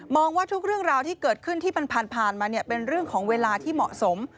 ว่าทุกเรื่องราวที่เกิดขึ้นที่ผ่านมาเป็นเรื่องของเวลาที่เหมาะสม